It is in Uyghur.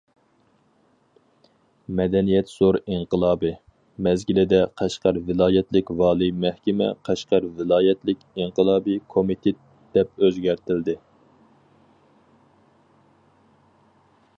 «مەدەنىيەت زور ئىنقىلابى» مەزگىلىدە قەشقەر ۋىلايەتلىك ۋالىي مەھكىمە «قەشقەر ۋىلايەتلىك ئىنقىلابىي كومىتېت» دەپ ئۆزگەرتىلدى.